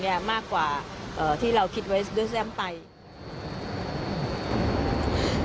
จะมากกว่าที่เราคิดไว้ด้วยแซมไทย